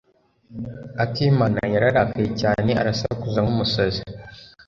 Akimana yararakaye cyane arasakuza nkumusazi.